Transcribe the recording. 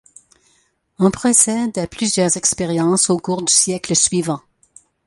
On procède à plusieurs expériences au cours du siècle suivant.